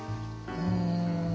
うん。